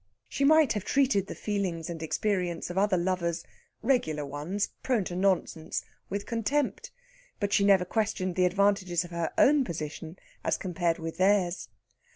She might have treated the feelings and experience of other lovers regular ones, prone to nonsense with contempt, but she never questioned the advantages of her own position as compared with theirs.